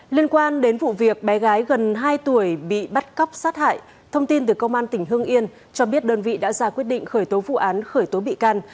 liên quan đến vụ việc bé gái gần hai tuổi bị bắt cóc sát hại thông tin từ công an tỉnh hương yên cho biết đơn vị đã ra quyết định khởi tố vụ án khởi tố bị can